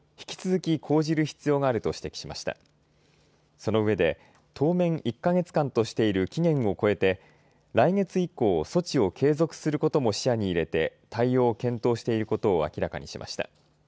その上で、当面、１か月間としている期限を超えて、来月以降、措置を継続することも視野に入れて、対応を検討していることを明らかにしました。